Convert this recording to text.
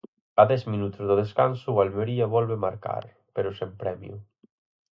A dez minutos do descanso o Almería volve marcar, pero sen premio.